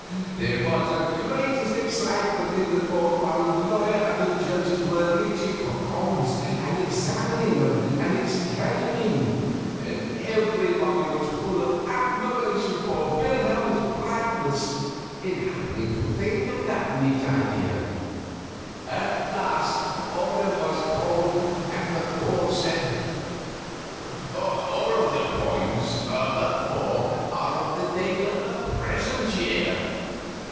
There was the greatest excitement in the court while that lawyer and the judges were reaching for coins and examining them and exclaiming. And everybody was full of admiration of Wilhelm's brightness in happening to think of that neat idea. At last order was called and the court said: "All of the coins but four are of the date of the present year.